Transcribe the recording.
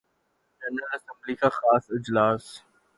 general assembly کا خاص اجلاس